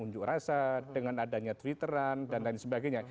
unjuk rasa dengan adanya twitteran dan lain sebagainya